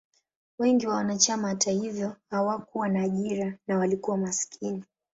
Wengi wa wanachama, hata hivyo, hawakuwa na ajira na walikuwa maskini.